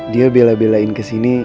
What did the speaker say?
dia bela belain kesini